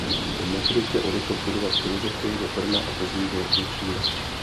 Po maturitě odešel studovat filozofii do Brna a později do Děčína.